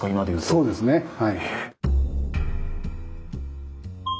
そうですねはい。